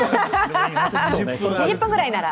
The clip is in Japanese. ２０分ぐらいなら。